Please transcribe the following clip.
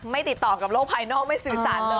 ติดต่อกับโลกภายนอกไม่สื่อสารเลย